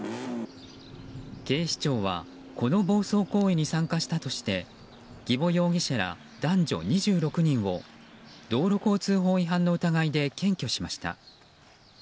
警視庁はこの暴走行為に参加したとして儀保容疑者ら男女２６人を道路交通法違反の疑いで検挙しました。